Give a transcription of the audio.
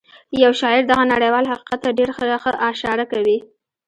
یو شاعر دغه نړیوال حقیقت ته ډېره ښه اشاره کوي